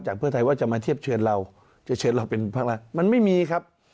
เพื่อไทยว่าจะมาเทียบเชิญเราจะเชิญเราเป็นภาครัฐมันไม่มีครับ